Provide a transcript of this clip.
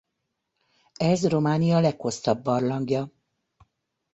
Ez Románia leghosszabb barlangja.